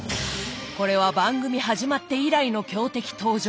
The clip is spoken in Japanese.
これは番組始まって以来の強敵登場です！